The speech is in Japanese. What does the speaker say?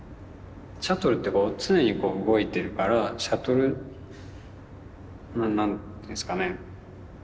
シャトルってこう常に動いてるからシャトル何ていうんですかね